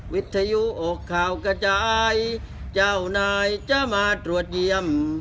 วิทยุอกข่าวกระจายเจ้านายจะมาตรวจเยี่ยม